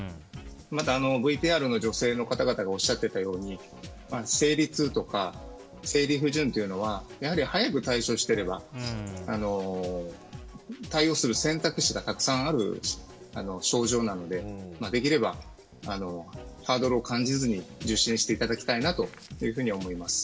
また、ＶＴＲの女性の方々がおっしゃっていたように生理痛とか生理不順というのはやはり早く対処していれば対応する選択肢がたくさんある症状なのでできればハードルを感じずに受診していただきたいなと思います。